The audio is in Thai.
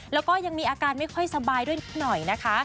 แล้วก็ยังมีอาการไม่ค่อยสบายด้วยนิดหน่อยนะคะ